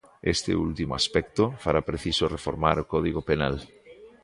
Este último aspecto fará preciso reformar o Código Penal.